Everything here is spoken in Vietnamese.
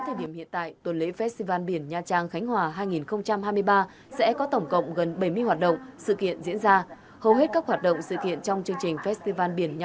đặc biệt điểm nhấn của festival biển nha trang khánh hòa hai nghìn hai mươi ba là màn trình diễn ánh sáng nghệ thuật trong chuỗi hoạt động festival biển